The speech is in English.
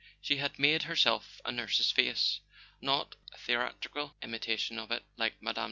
She had made herself a nurse's face; not a theatrical imitation of it like Mme.